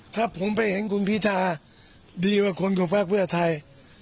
ถ้าผมไปเห็นคุณพิธาดีกว่าคนของภาคเพื่อไทย